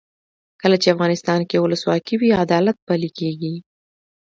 کله چې افغانستان کې ولسواکي وي عدالت پلی کیږي.